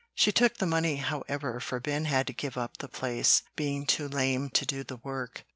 She took the money, however, for Ben had to give up the place, being too lame to do the work.